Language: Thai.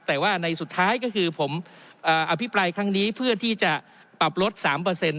แต่ว่าในสุดท้ายก็คือผมอภิปรายครั้งนี้เพื่อที่จะปรับลด๓เปอร์เซ็นต